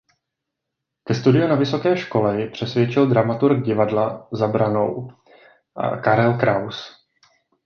Ke studiu na vysoké škole ji přesvědčil dramaturg Divadla za branou Karel Kraus.